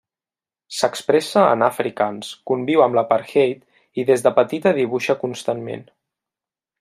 S'expressa en afrikaans, conviu amb l'apartheid i des de petita dibuixa constantment.